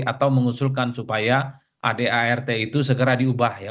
atau mengusulkan supaya adart itu segera diubah ya